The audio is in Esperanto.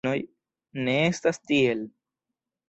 Ne estas tiel.